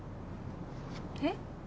えっ？